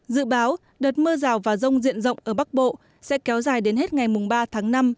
dự báo đợt mưa rào và rông diện rộng ở bắc bộ sẽ kéo dài đến hết ngày ba tháng năm